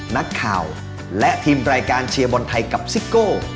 นักข่าวและทีมรายการเชียร์บอลไทยกับซิโก้